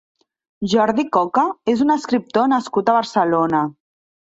Jordi Coca és un escriptor nascut a Barcelona.